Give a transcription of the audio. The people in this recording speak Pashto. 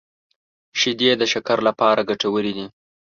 شیدې د شکر لپاره ګټورې دي